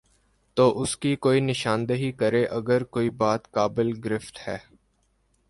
تو اس کی نشان دہی کرے اگر کوئی بات قابل گرفت ہے۔